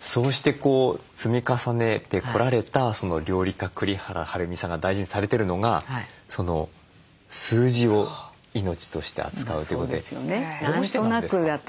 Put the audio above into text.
そうして積み重ねてこられた料理家栗原はるみさんが大事にされてるのが数字を命として扱うということで。